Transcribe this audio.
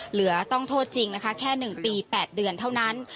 เหลือต้องโทษจริงนะคะแค่๑ปี๘เดือนเท่านั้น